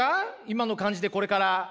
今の感じでこれから。